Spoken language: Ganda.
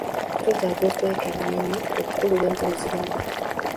Twetaaga okwekenneenya obukulu bw'empuliziganya.